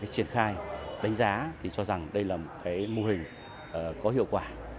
tính giá thì cho rằng đây là mô hình có hiệu quả